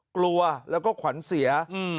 กลัวแล้วก็ขวัญเสีย